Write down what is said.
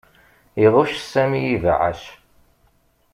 Iɣuc Sami ibeɛɛac.